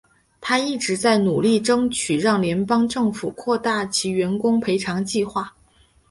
她一直在努力争取让联邦政府扩大其员工赔偿计划。